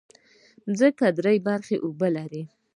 مځکه درې برخې اوبه لري.